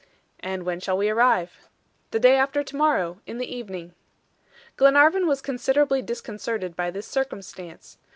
"And when shall we arrive?" "The day after to morrow, in the evening." Glenarvan was considerably disconcerted by this circumstance.